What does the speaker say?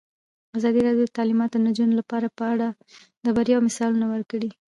ازادي راډیو د تعلیمات د نجونو لپاره په اړه د بریاوو مثالونه ورکړي.